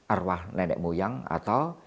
arwah nenek moyang atau